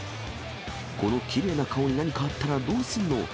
このきれいな顔に何かあったらどうすんの。